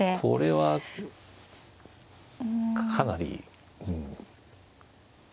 これはかなり。